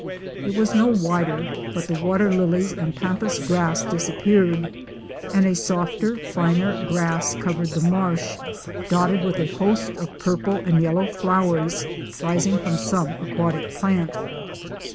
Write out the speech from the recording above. It was no wider but the water lilies and pampas grass disappeared and a softer, finer grass covered the marsh, dotted with a host of purple and yellow flowers rising from some aquatic plant.